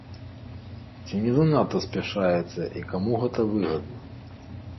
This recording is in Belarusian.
Ці не занадта спяшаецца і каму гэта выгадна?